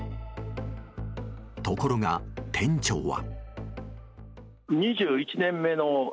ところが店長は。